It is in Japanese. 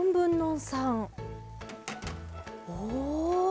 おお。